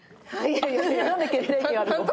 何で決定権あるの？